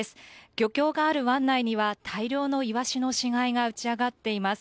漁港がある湾内には大量のイワシの死骸が打ち揚がっています